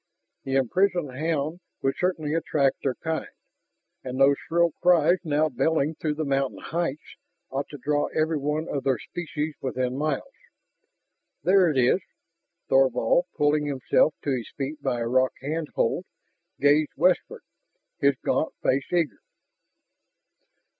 The imprisoned hound would certainly attract their kind. And those shrill cries now belling through the mountain heights ought to draw everyone of their species within miles. "There it is!" Thorvald, pulling himself to his feet by a rock handhold, gazed westward, his gaunt face eager.